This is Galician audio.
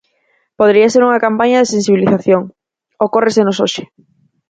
Podería ser unha campaña de sensibilización; ocórresenos hoxe.